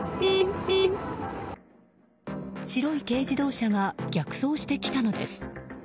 白い軽自動車が逆走してきたのです。